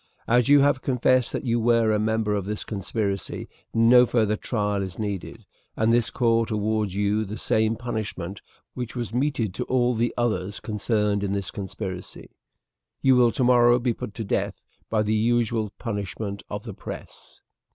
As you have confessed that you were a member of this conspiracy, no further trial is needed, and this court awards to you the same punishment which was meted to all the others concerned in the conspiracy you will tomorrow be put to death by the usual punishment of the press."